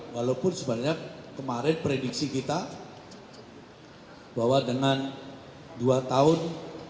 walaupun sebenarnya kemarin prediksi kita bahwa dengan dua tahun